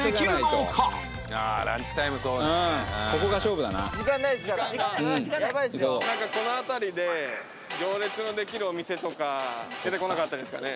何かこのあたりで行列のできるお店とか出てこなかったですかね？